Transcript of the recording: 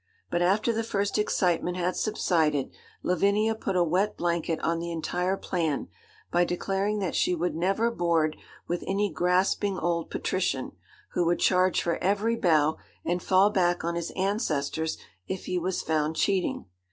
But after the first excitement had subsided, Lavinia put a wet blanket on the entire plan by declaring that she would never board with any grasping old patrician, who would charge for every bow, and fall back on his ancestors if he was found cheating.